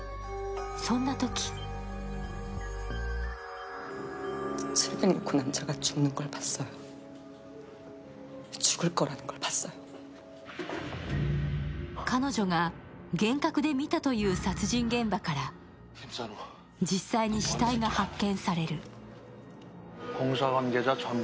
そんなとき彼女が幻覚で見たという殺人現場から実際に死体が発見される。